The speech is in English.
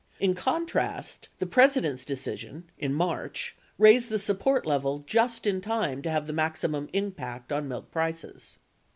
In contrast, the President's decision, in March, raised the support level just in time to have the maximum impact on milk prices.